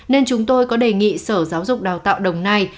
nên chúng tôi có đề nghị sở giáo dục đào tạo đồng nai